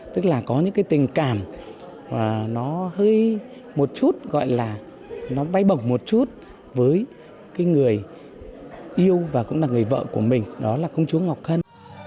tức là có những tình cảm và nó hơi một chút gọi là nó bay bồng một chút với người yêu và cũng là người vợ của mình đó là công chúa ngọc hân